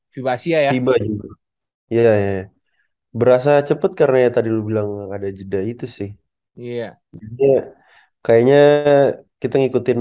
viva asia ya iya berasa cepet karena tadi lu bilang ada jeda itu sih iya kayaknya kita ngikutin